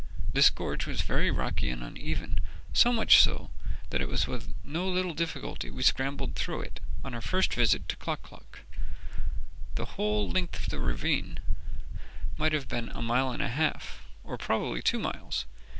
This gorge was very rocky and uneven, so much so that it was with no little difficulty we scrambled through it on our first visit to Klock klock. The whole length of the ravine might have been a mile and a half, or probably two miles.